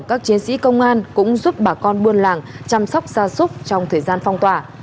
các chiến sĩ công an cũng giúp bà con buôn làng chăm sóc gia súc trong thời gian phong tỏa